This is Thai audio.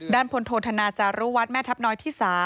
ดันพลโทธนาจารุวัดแม่ทับน้อยที่๓